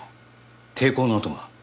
抵抗の跡が？